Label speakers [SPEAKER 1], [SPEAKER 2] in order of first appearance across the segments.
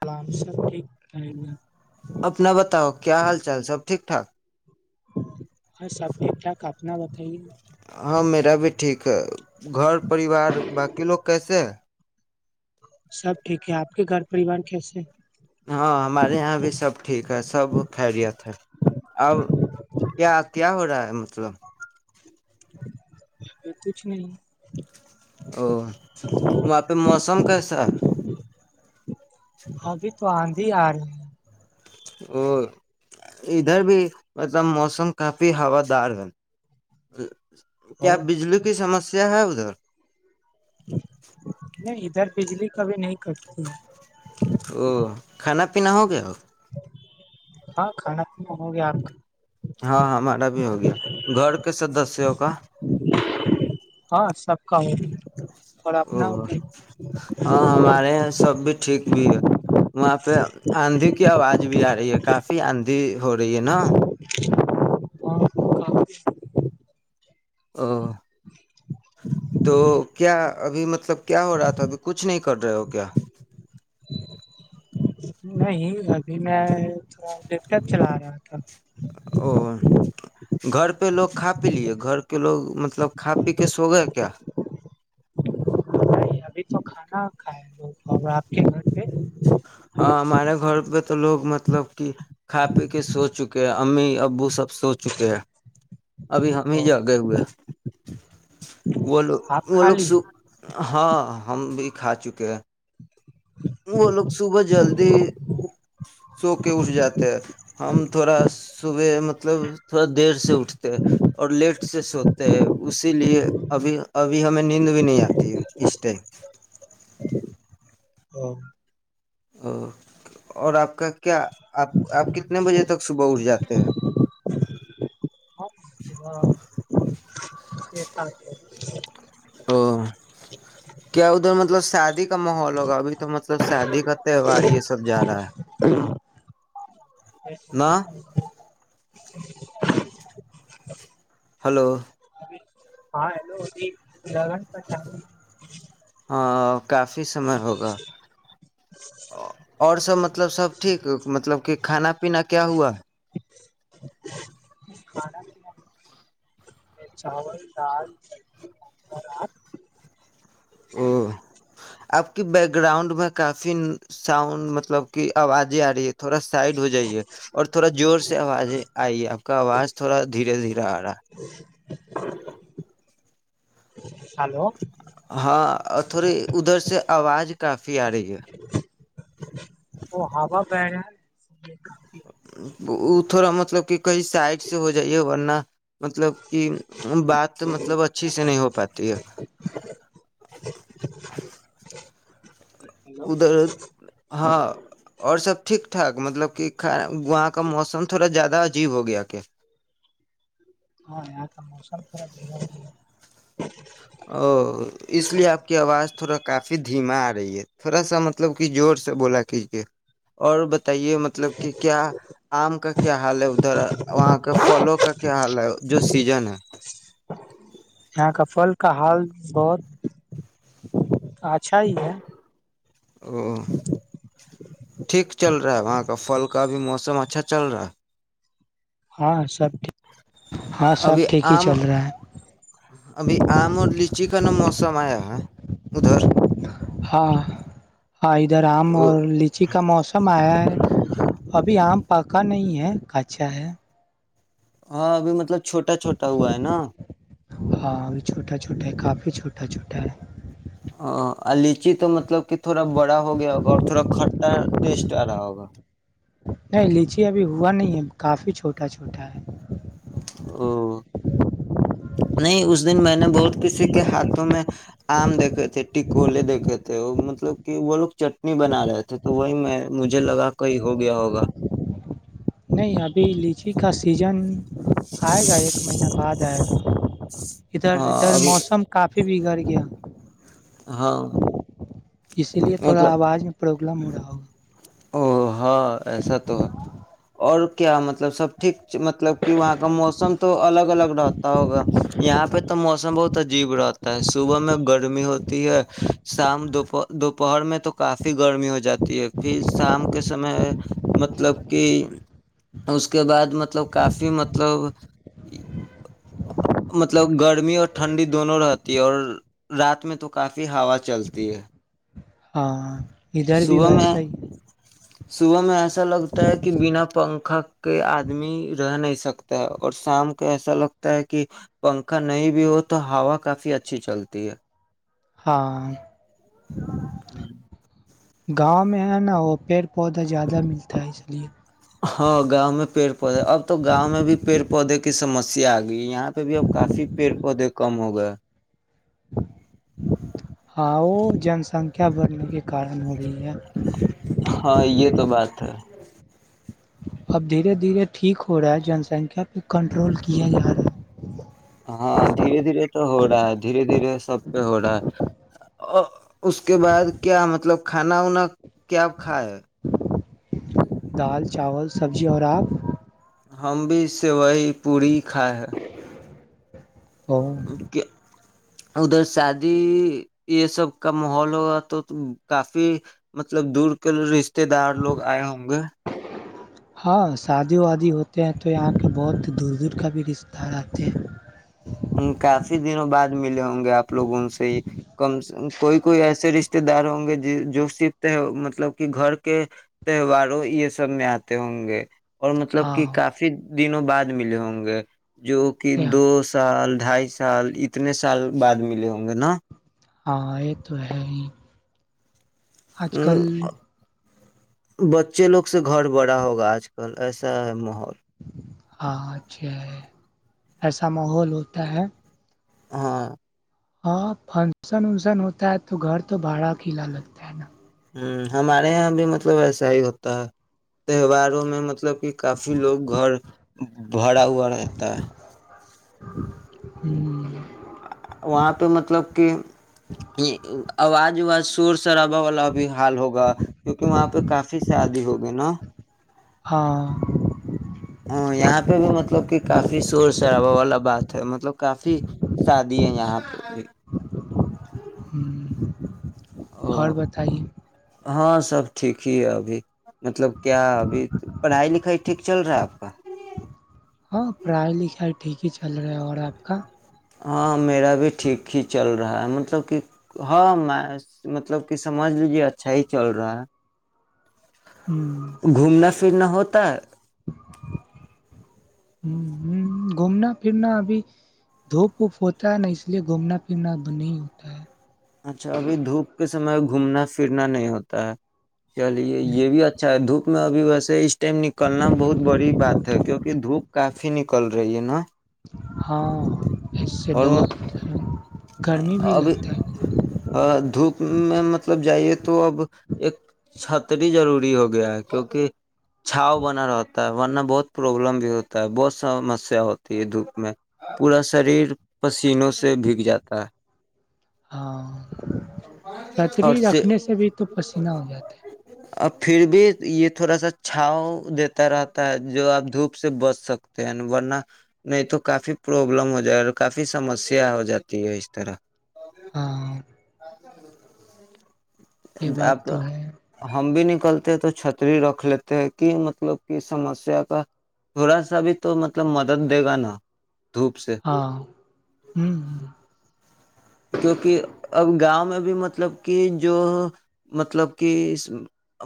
[SPEAKER 1] plan [inaudible]
[SPEAKER 2] اپنا بتاؤ کیا حال چال سب ٹھیک ٹھاک
[SPEAKER 1] ہاں سب ٹھیک ٹھاک اپنا بتائیے
[SPEAKER 2] ہاں میرا بھی ٹھیک ہے گھر پریوار باقی لوگ کیسے ہے
[SPEAKER 1] سب ٹھیک ہے آپ کے گھر پریوار کیسے ہیں
[SPEAKER 2] ہاں ہمارے یہاں بھی سب ٹھیک سب خیریت ہے اب کیا کیا ہو رہا ہے مطلب
[SPEAKER 1] کچھ نہیں
[SPEAKER 2] او وہاں پہ موسم کیسا
[SPEAKER 1] ابھی تو آندھی آ رہی ہیں
[SPEAKER 2] اور ادھر بھی مطلب موسم کافی ہوا دار ہے [unintelligible] کیا
[SPEAKER 1] او
[SPEAKER 2] بجلی کی سمسیا ج ہے ادھر [inaudible]
[SPEAKER 1] نہیں ادھر بجلی کبھی نہیں کٹتی
[SPEAKER 2] او کھانا پینا ہو گیا ہو
[SPEAKER 1] ہاں کھانا پینا ہو گیا آپ کا
[SPEAKER 2] ہاں ہمارا بھی ہو گیا گھر کے سدسوں کا
[SPEAKER 1] کا ہاں سب کا اور
[SPEAKER 2] او
[SPEAKER 1] اپنا ہو گیا
[SPEAKER 2] ہاں ہمارے یہ سب بھی ٹھیک بھیییا [inaudible] وہاں پہ آندھی کی آواز بھی آ رہی ہے کافی آندھی ہو رہی ہے نا
[SPEAKER 1] [inaudible] ہاں [inaudible]
[SPEAKER 2] ا [inaudible] تو کیا ابھی مطلب کیا ہو رہا تھا ابھی کچھ نہیں کر رہے ہو کیا
[SPEAKER 1] نہیں ابھی میں ا ڈ ٹپ چلا رہا [inaudible]
[SPEAKER 2] او گھر پہ لوگ کا پی لیے گھر کے لوگ مطلب کھا پی کے سو گیا کیا
[SPEAKER 1] نہیں ابھی تو کھانا کھائے لوگ اور آپ کے گھر پہ
[SPEAKER 2] ہاں ہمارے گھر پہ تو لوگ مطلب کہ کھا پی کے سو چکے امی ابو سب سو چکے ہیں ابھی ہم ہی
[SPEAKER 1] اور
[SPEAKER 2] جاگے ہوئے وہ لوگ
[SPEAKER 1] آپ
[SPEAKER 2] وہ
[SPEAKER 1] کھا
[SPEAKER 2] لوگ سو ہاں ہم بھی کھا چکے ہیں وہ لو سو کے اٹھ جاتے ہیں ہم تھوڑا صبح مطلب تھوڑا دیر سے اٹھتے ہے اور لیٹ سے سوتے ہے اسی لیے ابھی ابھی ہمیں نیند بھی نہیں آتی ہے اس ٹائم
[SPEAKER 1] ہ
[SPEAKER 2] او اور آپ کا کیا آپ آپ کتنے بجے تک صبح اٹھ جاتے ہیں
[SPEAKER 1] [unintelligible] [unintelligible]
[SPEAKER 2] او کیا ادھر مطلب ساد کا ماحول ہوگا ابھی تو مطلب شادی کا تہوار یہ سب جا رہا ہے
[SPEAKER 1] [unintelligible]
[SPEAKER 2] نا
[SPEAKER 1] السلام علیکم محترم بھائی جان
[SPEAKER 2] ہلو
[SPEAKER 1] ہاں ہیلو ج دگن پر
[SPEAKER 2] ہاں کافی سمے ہوگا اور سب مطلب سب ٹھیک مطلب کہ کھانا پینا کیا ہوا ہے
[SPEAKER 1] کھانا چاول دال چٹنیال
[SPEAKER 2] [unintelligible] آپ کی بیک گراؤنڈ میں کافی ساؤنڈ مطلب کی آوازیں آ رہی ہے تھوڑا سائڈ ہو جائیے اور تھوڑا زور سے آوازیں آئی ہے آپ کا آواز تھوڑا دھیرے دھیرے آ رہا
[SPEAKER 1] [unintelligible] ہلو
[SPEAKER 2] ہاں اور تھوڑی ادھر سے آواز کافی آ رہی ہے
[SPEAKER 1] وہ ہووا پڑ گیا ہے [unintelligible]
[SPEAKER 2] وہ تھوڑا مطلب کہ کہیں سائڈ سے ہو جائیے ورنہ مطلب کہ بات مطلب اچھی سے نہیں ہو پاتی ہے
[SPEAKER 1] ہلو
[SPEAKER 2] ادھر ہاں اور سب ٹھیک ٹھاک مطلب کہ وہاں کا موسم تھوڑا زیادہ عجیب ہو گیا کیا
[SPEAKER 1] ہاں یہاں موسم پورا بمار گ ہے
[SPEAKER 2] او اس لیے آپ کی آواز تھوڑا کافی دھیما آ رہی ہے تھوڑا سا مطلب کہ زور سے بولا کیجے اور بتے مطلب کہ کیا آم کا کیا حال ہے ادھر وہاں کا فھلوں کا کیا حال ہے جو سیزن ہے
[SPEAKER 1] یہاں کا پھل کا حال بہت اچھا ہی ہے
[SPEAKER 2] او ٹھیک چل رہا ہے وہاں کا پھل کا بھی موسم اچھا چل رہا ہے
[SPEAKER 1] ہاں سبٹھیک
[SPEAKER 2] ابھی آم ابھی آم اور لچی چکھن موسمیا ہے ادھر
[SPEAKER 1] ہاں ہاں ادھر آم اور لچی کا موسم آیا ہے ابھی آم پکا نہیں ہے کچا ہے
[SPEAKER 2] ہاں بھی مطلب چھوٹا چھوٹا ہوا ہے نا
[SPEAKER 1] ہاں چھوٹا چھوٹا ہے کافی چھوٹا چھوٹا ہے
[SPEAKER 2] ہاں لیچی تو مطلب کہ تھوڑا بڑا ہو گیا ہوگا اور تھوڑا کھٹا ٹیسٹ آ رہا ہوگا
[SPEAKER 1] نہیں لیجے ابھی ہوا نہیں ہے کافی چھوٹا چھوٹا ہے
[SPEAKER 2] تو نہیں اس دن میں نے بہت کسی کے ہاتھوں میں آم دیکھے تھے ٹکوولے دیکھے تھے مطلب کہ وہ لوگ چٹنی بنا رہے تھے تو وہی میں مجھے لگا کہئی ہو گیا ہوگاج
[SPEAKER 1] نہیں ابھی لیچی کا سیزن آئے گا ایک مہینہ بعد آئے گا ادھر
[SPEAKER 2] ہاں
[SPEAKER 1] ادھر
[SPEAKER 2] ابھی
[SPEAKER 1] موسم کافی بگڑ گیا
[SPEAKER 2] ہاں
[SPEAKER 1] اسی لیے تھوڑا
[SPEAKER 2] مطلب
[SPEAKER 1] آواز میں پرابلم ہو رہا اب [unintelligible]
[SPEAKER 2] او ہاں ایسا تو ہے اور کیا مطلب سب ٹھیک مطلب کہ وہاں کا موسم تو الگ الگ رہتا ہوگا یہاں پہ تو موسم بہت عجیب رہتا ہے صبح میں گرمی ہوتی ہے شام دوپر دوپہر میں تو کافی گرمی ہو جاتی ہے پھر شام کے سمے مطلب کہ اس کے بعد مطلب کافی مطلب مطلب گرمی اور ٹھنڈی دونوں رہتی ہے اور رات میں تو کافی ہوا چلتی ہے
[SPEAKER 1] ہاں ادھر بھی
[SPEAKER 2] صبح میں
[SPEAKER 1] ویسا ہی
[SPEAKER 2] صبح میں ایسا لگتا ہے کہ بنا پنکھا کے آدمی رہ نہیں سکتا ہے اور شام کو ایسا لگتا ہے کہ پنکھا نہیں بھی ہو تو ہوا کافی اچھی چلتی ہے
[SPEAKER 1] ہاں
[SPEAKER 2] ہاں
[SPEAKER 1] گاؤں میں ہے نا وہ پیڑ پودا زیادہ ملتا ہے اس لیے
[SPEAKER 2] ہاں گاؤں میں پیڑ پودے اب تو گاؤں میں بھی پیڑ پودے کی سمسیا آ گئی یہاں پہ بھی اب کافی پیڑ پودے کم ہو گئے
[SPEAKER 1] ہاں وہ جن سنکھیا بڑھنے کے کارن ہو رہی ہے
[SPEAKER 2] ہاں یہ تو بات ہے
[SPEAKER 1] اب دھیرے دھیرے ٹھیک ہو رہا ہے جنسنکھیا پہ کنٹرول کیا جا رہا ہے
[SPEAKER 2] ہاں دھیرے دھیرے تو ہو رہا ہے دھیرے دھیرے سب پہ ہو رہا ہے اس کے بعد کیا مطلب کھانا وانا کیاپ کھائےائے
[SPEAKER 1] دال چاول سبزی اور آپ
[SPEAKER 2] ہم بھی اس سے وہی پورڑی کائے ہے
[SPEAKER 1] اچ اور
[SPEAKER 2] ادھر شادی یہ سب کا ماحول ہوا تو کافی مطلب دور کر رشتے دار لوگ آئے ہوں گے
[SPEAKER 1] ہاں شادی وادی ہوتے ہیں تو یہاں کے بہت دور دور کا بھی رشتہ آتے ہیں
[SPEAKER 2] ہ کافی دنوں بعد ملے ہوں ہ گے آپ لوگوں سے کم کوئی کوئی ایسے رشتے رشتے دار ہوں گے جو صف ت مطلب کہ گھر کے تہواروں یہ سب میں آتے ہوں گے اور مطلب
[SPEAKER 1] ہاں
[SPEAKER 2] کہ کافی دنوں بعد ملے ہوں گے جو کہ
[SPEAKER 1] یہ-
[SPEAKER 2] دوست سال ڈھائی سال اتنے سال بعد ملے ہوں گے نا
[SPEAKER 1] ہئے تو ہے ہی آج کل
[SPEAKER 2] بچے لوگ سے گھر بڑا ہوگا آج کل ایسا ہے مح
[SPEAKER 1] ہاں اچھا ایسا ماحول ہوتا ہے
[SPEAKER 2] ہاں
[SPEAKER 1] ہاں فنکشن وکشن ہوتا ہے تو گھر تو بھاڑا کلا لگتا ہے نا
[SPEAKER 2] ہوں ہمارے یہاں بھی مطلب ایسا ہی ہوتا ہے تہواروں میں مطلب کہ کافی لوگ گھر بھرا ہوا رہتا ہے
[SPEAKER 1] ہوں
[SPEAKER 2] وہاں پہ مطلب کہ آواز وواز سورس شرابا والا بھی حال ہوگا کیونکہ وہاں پہ کافی شادی ہوگی نا
[SPEAKER 1] ہاں
[SPEAKER 2] ہاں یہاں پہ بھی مطلب کہ کافی شور شرابا والا بات مطلب کافی شادی ہے یہاں پہ بھی
[SPEAKER 1] ہوں گھر بتائیے
[SPEAKER 2] ہاں سب ٹھیک ہی ہے ابھی مطلب کیا ابھی پڑھائی لکھائی ٹھیک چل رہا ہے آپ کا
[SPEAKER 1] ہاں پڑھائی لکھائی ٹھیک ہی چل رہا اور آپ کا
[SPEAKER 2] ہاں میرا بھی ٹھیک ہی چل رہا ہے مطلب کہ ہاں میں مطلب کہ سمجھ لیجیے اچھا ہی چل رہا ہے
[SPEAKER 1] ہ ہ ہ
[SPEAKER 2] گھومنا پھرنا ہوتا
[SPEAKER 1] ہ ہ گھومنا پھرنا ابھی دھوپ ووپ ہوتا ہے نا اس لیے گھومنا پھرنا اب نہیں ہوتا ہے
[SPEAKER 2] اچھا ابھی دھوپ کے سمے گھومنا پھرنا نہیں ہوتا ہے چلیے
[SPEAKER 1] ہے
[SPEAKER 2] یہ بھی اچھا ہے دھوپ میں ابھی ویسے ٹائم نکلنا بہت بڑی بات ہے کیونکہ دھوپ کافی نکل رہی ہے نا
[SPEAKER 1] ہاں اس سے
[SPEAKER 2] اور مت
[SPEAKER 1] بہت ہے گرمی بھی
[SPEAKER 2] ا م
[SPEAKER 1] لگتا
[SPEAKER 2] تو اب ایک چھت ہی ضروری ہو گیا ہے کیونکہ چھاؤ بنا رہت ورنہ بہت پروابلم بھی ہوتا ہے بہت س سمسیا ہوتی ہے دھوپ میں پورا شریر پسی تینوں سے بھگ جات
[SPEAKER 1] ہاں چھتری رکھنے سے بھی تو پسینہ ہو جاتا
[SPEAKER 2] اب پھر بھی یہ تھوڑا سا چھاؤ دیتا رہتا ہے جو آپ دھوپ سے بچ سکتے ہیں ورنہ نہیں تو کافی پروبلم ہو جائےا کافی سمسیا ہو جاتی تیی ہے اس طرح
[SPEAKER 1] ہاں
[SPEAKER 2] [inaudible]
[SPEAKER 1] یہ بات
[SPEAKER 2] آپ
[SPEAKER 1] تو ہے
[SPEAKER 2] ہم بھی نہیں کرتے ہیں تو چھتری رکھ لیتے ہیں کہ مطلب کہ سمسیا کا تھوڑا سا بھی تو مطلب مدد دے گا نا دھوپ سے
[SPEAKER 1] ہاں ہوں
[SPEAKER 2] کیونکہ اب گاؤں میں اب مطلب کہ جو مطلب کہ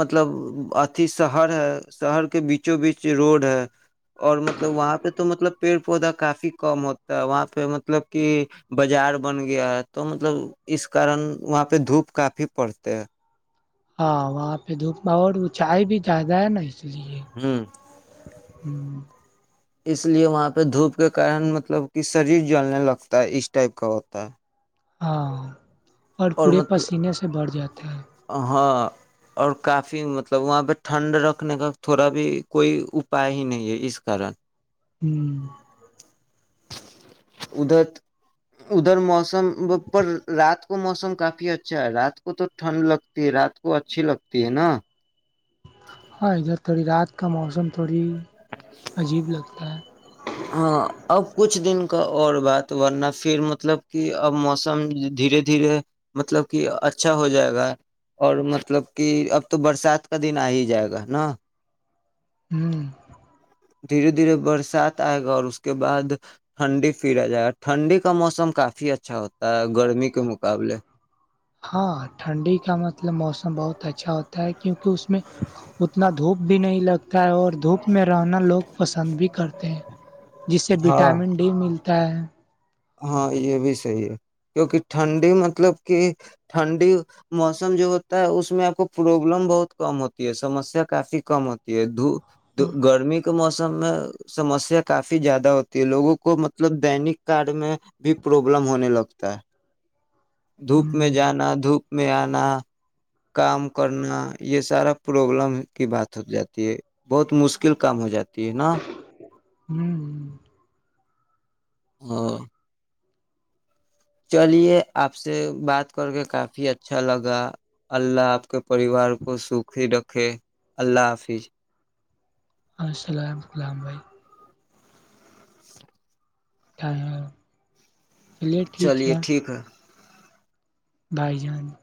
[SPEAKER 2] مطلب اھی شہر ہے شہر کے بیچوں بیچ روڈ ہے اور مطلب وہاں پہ تو مطلب پیڑ پودا کافی کم ہوتا ہے وہاں پہ مطلب کہ بازار بن گیا ہے تو مطلب اس کارن وہاں پہ دھوپ کافی فی پڑھتے
[SPEAKER 1] ہاں وہاں پہ دھوپ ب اور اون چائے بھی زیادہ ہے نا اس اس لیے
[SPEAKER 2] ہ
[SPEAKER 1] ہ
[SPEAKER 2] اس لیے وہاں پہ دھوپ کے کارن مطلب کہ شریر جلنے لگتا ہے اس ٹائپ کا ہوتا ہے
[SPEAKER 1] ہاں اور پورے پسینے سے بڑھ جاتے ہیں
[SPEAKER 2] ہاں اور کافی مطلب وہاں پہ ٹھنڈ رکھنے کا تھوڑا بھی کوئی اپائے ہی نہیں ہے اس کارن
[SPEAKER 1] ہوں
[SPEAKER 2] ادھر ادھر موسم پر رات کو موسم کافی اچھا ہے رات کو تو ٹھنڈ لگتی ہے رات کو اچھی لگتی ہے نا
[SPEAKER 1] ہاں ادھر تھوڑی رات کا موسم تھوڑی عجیب لگتا ہے
[SPEAKER 2] ہاں اب کچھ دن کا اور بات ورنہ پھر مطلب کہ اب موسم دھیرے دھیرے مطلب کہ اچھا ہو جائے گا اور مطلب کہ اب تو برسات کا دن آ ہی جائے گا نا
[SPEAKER 1] ہوں
[SPEAKER 2] دھیرے دھیرے برسات آئے گا اور اس کے بعد ٹھنڈی پھرا جائے گا ٹھنڈی کا موسم کافی اچھا ہوتا ہے گرمی کے مقابلے
[SPEAKER 1] ہاں ٹھنڈی کا مطلب موسم بہت اچھا ہوتا ہے کیونکہ اس میں اتنا دھوپ بھی نہیں لگتا ہے اور دھوپ میں رہنا لوگ پسند بھی کرتے ہیں جس سے
[SPEAKER 2] ہاں
[SPEAKER 1] وٹامن ڈی ملتی [unintelligible]
[SPEAKER 2] ہاں یہ بھی صحیح ہے کیونکہ ٹھنڈی مطلب کہ ٹھنڈی موسم جو ہوتا ہے اس میں آپ کو پربلم بہت کم ہوتی ہے سمسیا کافی کم ہوتی ہے د تو گرمی کا موسم سموسیہ کافی زیادہ ہوتی ہے لوگوں کو مطلب بینک کارڈ میں بھی پرابلم ہونے لگتا ہے دھوپ میں
[SPEAKER 1] ہ
[SPEAKER 2] جانا دھوپ میں آنا کام کرنا یہ سارا پرابلم کی بات ہو جاتی ہے بہت مشکل کام ہو جاتی ہے نا
[SPEAKER 1] ہاں
[SPEAKER 2] ہاں چلیے آپ سے بات کر کے کافی اچھا لگا اللہ آپ کے پریوار کو سخھی رکھے اللہ حافظ
[SPEAKER 1] السلام غلام بھائی تھائڈ چلیے ٹھیک ہے دائی جان